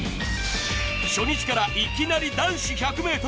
初日からいきなり男子１００ｍ。